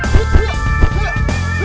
kau harus hafal penuh ya